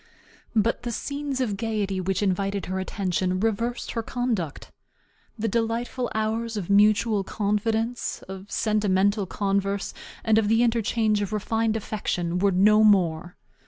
But the scenes of gayety which invited her attention reversed her conduct. The delightful hours of mutual confidence, of sentimental converse, and of the interchange of refined affection were no more.